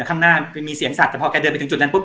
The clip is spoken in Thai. ข้างหน้ามันมีเสียงสัตว์แต่พอแกเดินไปถึงจุดนั้นปุ